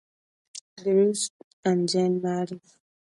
Bruce and Jane marry.